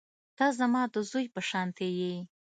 ته زما د زوى په شانتې يې.